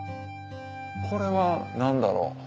これは何だろう？